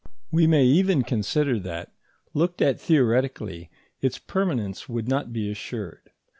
We may even consider that, looked at theoretically, its permanence would not be assured.